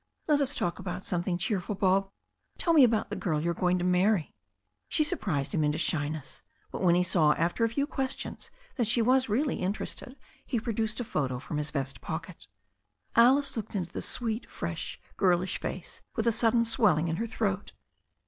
"Let us talk about something cheerful. Bob. Tell me about the girl you are going to marry." She surprised him into shyness, but when he saw after a few questions that she was really interested, he produced a photo from his vest pocket. Alice looked into the sweet, fresh, girlish face with a sudden swelling in her throat.